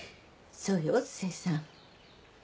そうよ清さん。